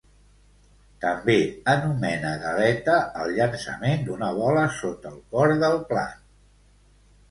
També anomena "galeta" al llançament d'una bola sota el cor del plat.